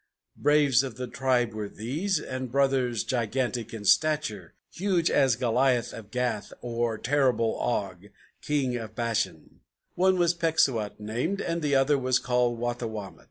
Braves of the tribe were these, and brothers, gigantic in stature, Huge as Goliath of Gath, or the terrible Og, king of Bashan; One was Pecksuot named, and the other was called Wattawamat.